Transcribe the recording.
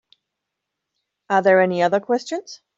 Are there any other questions?